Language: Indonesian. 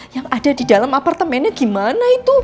yang ada di dalam apartemennya gimana itu